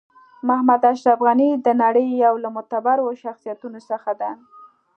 محمد اشرف غنی د نړۍ یو له معتبرو شخصیتونو څخه ده .